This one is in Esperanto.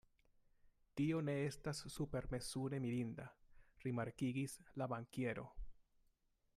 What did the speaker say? Tio ne estas supermezure mirinda, rimarkigis la bankiero.